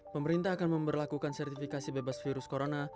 pemerintah akan memperlakukan sertifikasi bebas virus corona